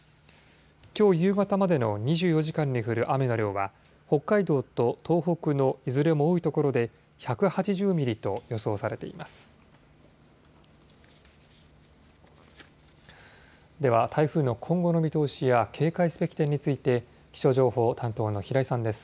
きょう夕方までの２４時間に降る雨の量は北海道と東北のいずれも多い所で１８０ミリと予想されています。